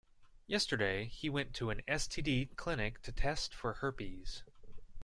Yesterday, he went to an STD clinic to test for herpes.